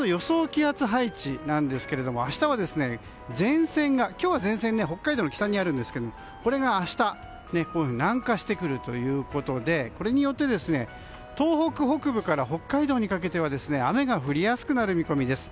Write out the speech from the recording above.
気圧配置なんですが今日は前線が北海道の北にあるんですがこれが明日南下してくるということでこれによって東北北部から北海道にかけては雨が降りやすくなる見込みです。